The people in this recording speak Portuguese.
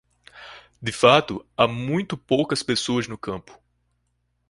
De fato, há muito poucas pessoas no campo.